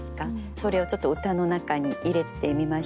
それをちょっと歌の中に入れてみました。